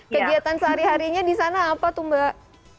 kegiatan sehari harinya di sana apa tuh mbak